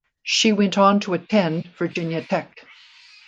She went on to attend Virginia Tech.